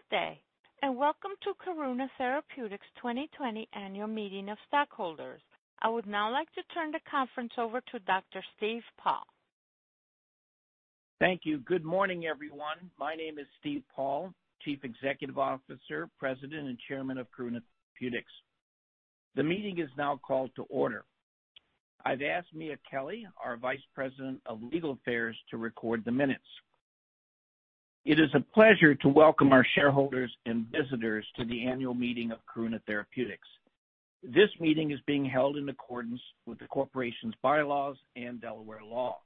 Good day, and welcome to Karuna Therapeutics' 2020 Annual Meeting of Stockholders. I would now like to turn the conference over to Dr. Steve Paul. Thank you. Good morning, everyone. My name is Steve Paul, Chief Executive Officer, President, and Chairman of Karuna Therapeutics. The meeting is now called to order. I've asked Mia Kelley, our Vice President of Legal Affairs, to record the minutes. It is a pleasure to welcome our shareholders and visitors to the annual meeting of Karuna Therapeutics. This meeting is being held in accordance with the corporation's bylaws and Delaware law.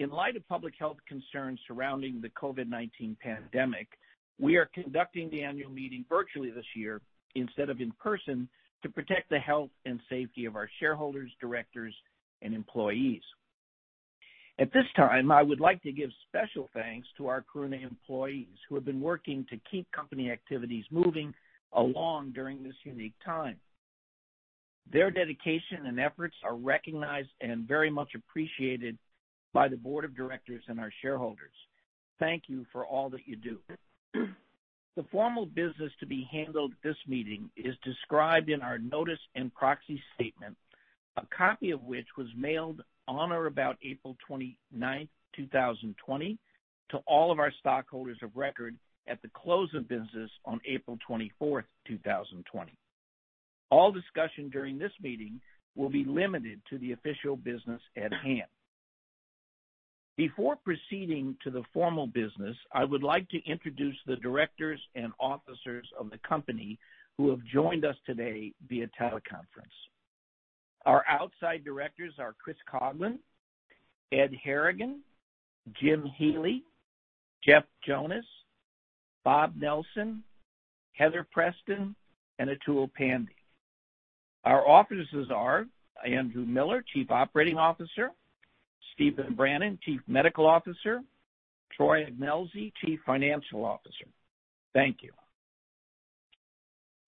In light of public health concerns surrounding the COVID-19 pandemic, we are conducting the annual meeting virtually this year instead of in person to protect the health and safety of our shareholders, directors, and employees. At this time, I would like to give special thanks to our Karuna employees who have been working to keep company activities moving along during this unique time. Their dedication and efforts are recognized and very much appreciated by the board of directors and our shareholders. Thank you for all that you do. The formal business to be handled at this meeting is described in our notice and proxy statement, a copy of which was mailed on or about April 29th, 2020, to all of our stockholders of record at the close of business on April 24th, 2020. All discussion during this meeting will be limited to the official business at hand. Before proceeding to the formal business, I would like to introduce the directors and officers of the company who have joined us today via teleconference. Our outside directors are Chris Coughlin, Ed Harrigan, Jim Healy, Jeff Jonas, Bob Nelsen, Heather Preston, and Atul Pande. Our officers are Andrew Miller, Chief Operating Officer, Stephen Brannan, Chief Medical Officer, Troy Ignelzi, Chief Financial Officer. Thank you.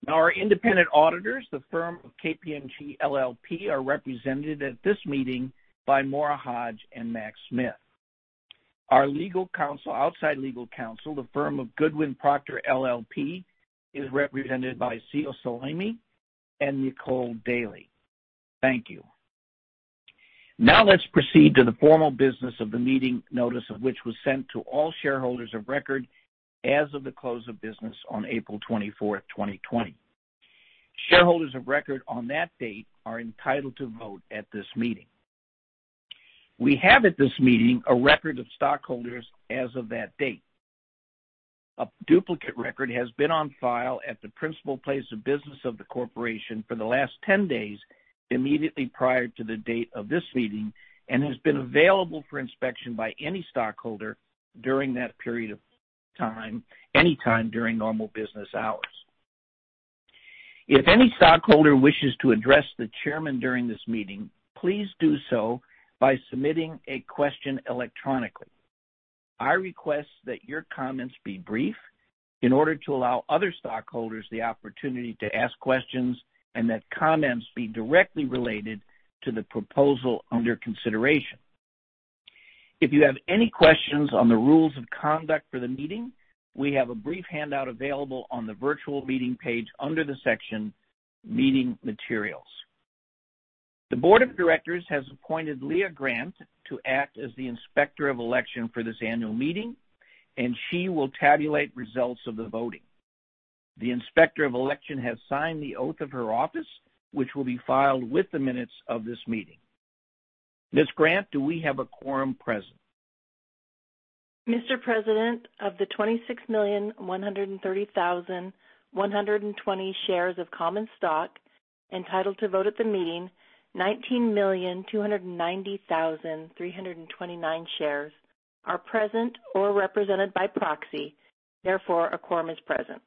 Now our independent auditors, the firm of KPMG LLP, are represented at this meeting by Maura Hodge and Max Smith. Our legal counsel, outside legal counsel, the firm of Goodwin Procter LLP, is represented by Sia Salemi and Nicole Daley. Thank you. Now let's proceed to the formal business of the meeting, notice of which was sent to all shareholders of record as of the close of business on April 24th, 2020. Shareholders of record on that date are entitled to vote at this meeting. We have at this meeting a record of stockholders as of that date. A duplicate record has been on file at the principal place of business of the corporation for the last 10 days immediately prior to the date of this meeting and has been available for inspection by any stockholder during that period of time, anytime during normal business hours. If any stockholder wishes to address the chairman during this meeting, please do so by submitting a question electronically. I request that your comments be brief in order to allow other stockholders the opportunity to ask questions and that comments be directly related to the proposal under consideration. If you have any questions on the rules of conduct for the meeting, we have a brief handout available on the virtual meeting page under the section Meeting Materials. The board of directors has appointed Leah Grant to act as the inspector of election for this annual meeting, and she will tabulate results of the voting. The inspector of election has signed the oath of her office, which will be filed with the minutes of this meeting. Ms. Grant, do we have a quorum present? Mr. President, of the 26,130,120 shares of common stock entitled to vote at the meeting, 19,290,329 shares are present or represented by proxy. Therefore, a quorum is present.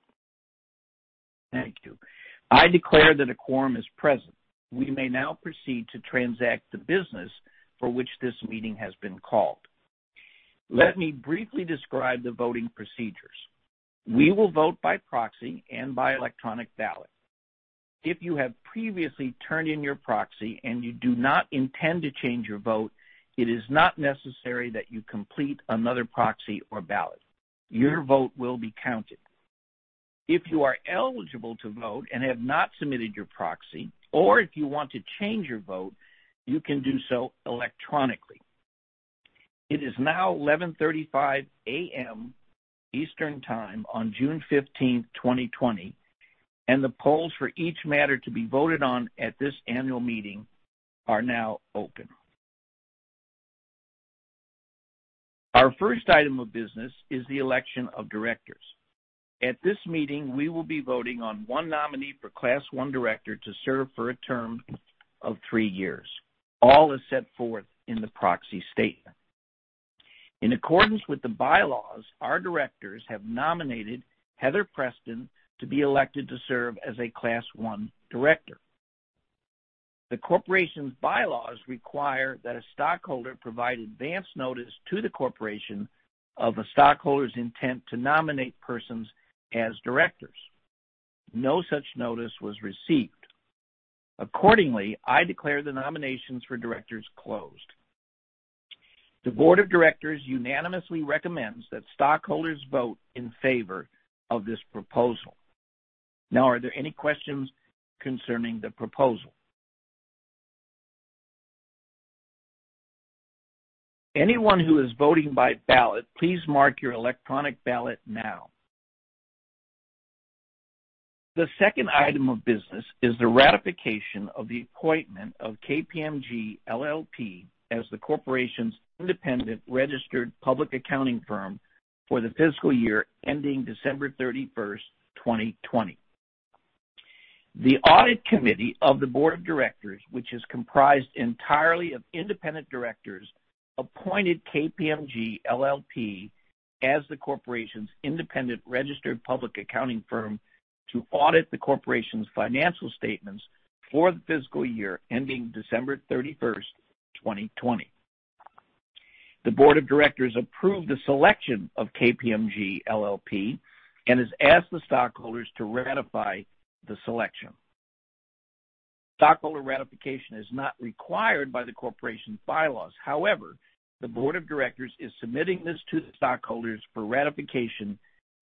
Thank you. I declare that a quorum is present. We may now proceed to transact the business for which this meeting has been called. Let me briefly describe the voting procedures. We will vote by proxy and by electronic ballot. If you have previously turned in your proxy and you do not intend to change your vote, it is not necessary that you complete another proxy or ballot. Your vote will be counted. If you are eligible to vote and have not submitted your proxy, or if you want to change your vote, you can do so electronically. It is now 11:35 A.M. Eastern Time on June 15th, 2020, and the polls for each matter to be voted on at this annual meeting are now open. Our first item of business is the election of directors. At this meeting, we will be voting on one nominee for Class I director to serve for a term of three years. All is set forth in the proxy statement. In accordance with the bylaws, our directors have nominated Heather Preston to be elected to serve as a Class I director. The corporation's bylaws require that a stockholder provide advance notice to the corporation of a stockholder's intent to nominate persons as directors. No such notice was received. Accordingly, I declare the nominations for directors closed. The board of directors unanimously recommends that stockholders vote in favor of this proposal. Now, are there any questions concerning the proposal? Anyone who is voting by ballot, please mark your electronic ballot now. The second item of business is the ratification of the appointment of KPMG LLP as the corporation's independent registered public accounting firm for the fiscal year ending December 31st, 2020. The audit committee of the board of directors, which is comprised entirely of independent directors, appointed KPMG LLP as the corporation's independent registered public accounting firm to audit the corporation's financial statements for the fiscal year ending December 31st, 2020. The board of directors approved the selection of KPMG LLP and has asked the stockholders to ratify the selection. Stockholder ratification is not required by the corporation's bylaws. However, the board of directors is submitting this to the stockholders for ratification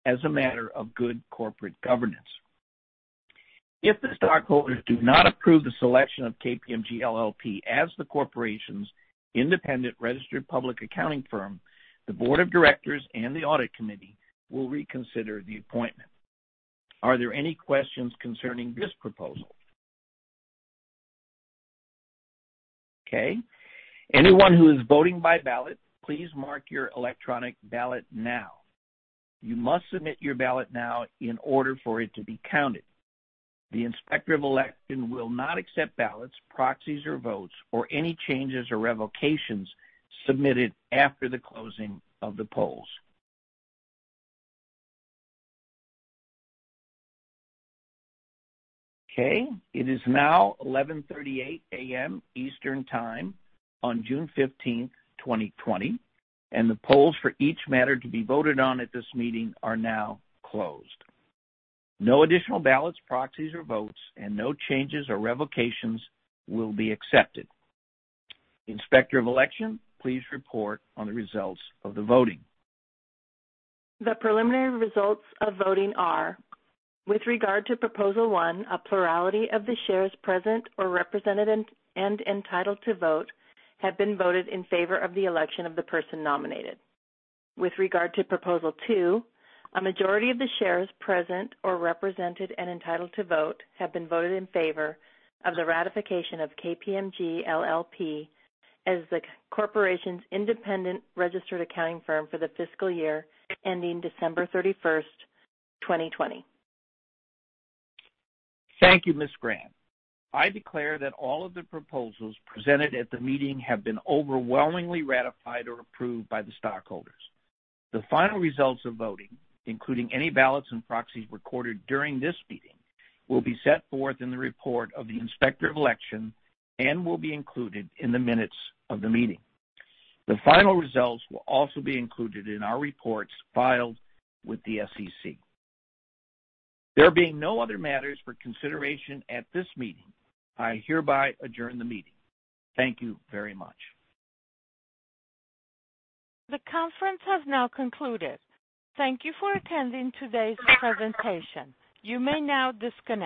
as a matter of good corporate governance. If the stockholders do not approve the selection of KPMG LLP as the corporation's independent registered public accounting firm, the board of directors and the audit committee will reconsider the appointment. Are there any questions concerning this proposal? Okay. Anyone who is voting by ballot, please mark your electronic ballot now. You must submit your ballot now in order for it to be counted. The Inspector of Election will not accept ballots, proxies, or votes, or any changes or revocations submitted after the closing of the polls. Okay. It is now 11:38 A.M. Eastern Time on June 15th, 2020, and the polls for each matter to be voted on at this meeting are now closed. No additional ballots, proxies, or votes, and no changes or revocations will be accepted. Inspector of Election, please report on the results of the voting. The preliminary results of voting are: with regard to proposal one, a plurality of the shares present or represented and entitled to vote have been voted in favor of the election of the person nominated. With regard to proposal two, a majority of the shares present or represented and entitled to vote have been voted in favor of the ratification of KPMG LLP as the corporation's independent registered accounting firm for the fiscal year ending December 31st, 2020. Thank you, Ms. Grant. I declare that all of the proposals presented at the meeting have been overwhelmingly ratified or approved by the stockholders. The final results of voting, including any ballots and proxies recorded during this meeting, will be set forth in the report of the inspector of election and will be included in the minutes of the meeting. The final results will also be included in our reports filed with the SEC. There being no other matters for consideration at this meeting, I hereby adjourn the meeting. Thank you very much. The conference has now concluded. Thank you for attending today's presentation. You may now disconnect.